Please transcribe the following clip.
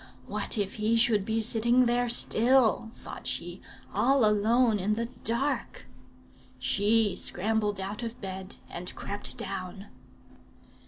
'What if he should be sitting there still,' thought she, 'all alone in the dark!' She scrambled out of bed and crept down.